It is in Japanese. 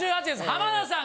浜田さん